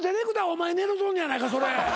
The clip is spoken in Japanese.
お前狙うとんねやないかそれ。